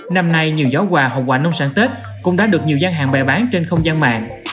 năm nay nhiều gió quà hoặc quà nông sản tết cũng đã được nhiều gian hàng bài bán trên không gian mạng